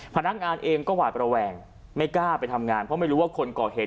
พนักงานเองก็หวาดระแวงไม่กล้าไปทำงานเพราะไม่รู้ว่าคนก่อเหตุ